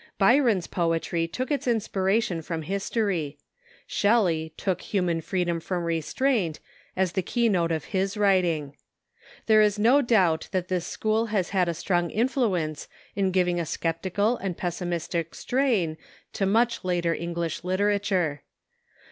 Bj'ron's poetry took its inspiration from history. Shelley took human freedom from restraint" as the key note of his writing. Thei'e is no doubt that this school has had a strong influence in giving a sceptical and pessimistic strain to much later English literature.